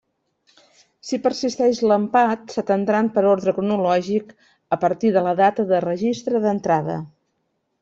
Si persistix l'empat, s'atendran per orde cronològic a partir de la data de registre d'entrada.